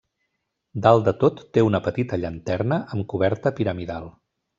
Dalt de tot té una petita llanterna amb coberta piramidal.